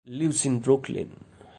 Lives in Brooklyn.